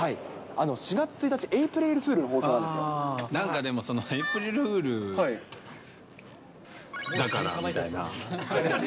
４月１日、エイプリルフールなんかでも、エイプリルフールだからみたいな。